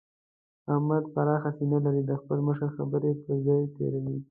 احمد پراخه سينه لري؛ د خپل مشر خبرې پر ځان تېروي.